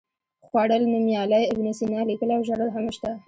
خوړل، نومیالی، ابن سینا، لیکل او ژړل هم شته.